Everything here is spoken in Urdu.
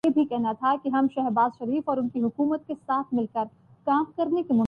تو کوئی قابل عمل حکمت عملی بھی تلاش کی جا سکے گی۔